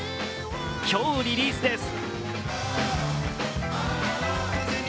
今日リリースです！